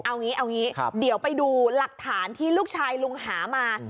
เอางี้เดี๋ยวไปดูหลักฐานที่ลูกชายลุงหามา